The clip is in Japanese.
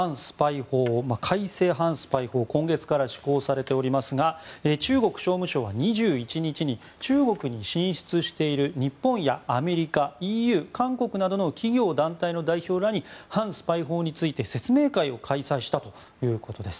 改正反スパイ法が今月から施行されておりますが中国商務省は２１日に中国に進出している日本やアメリカ、ＥＵ韓国などの企業団体の代表らに反スパイ法について説明会を開催したということです。